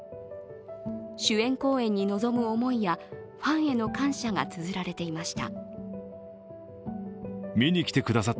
主演公演に臨む思いや、ファンヘの感謝などがつづられていました。